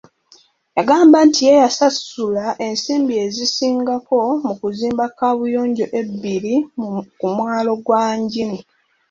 Yagamba nti ye yasasula ensimbi ezisingako mu kuzimba kaabuyonjo ebbiri ku mwalo gwa Ajini.